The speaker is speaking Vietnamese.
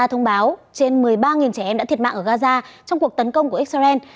thông báo trên một mươi ba trẻ em đã thiệt mạng ở gaza trong cuộc tấn công của israel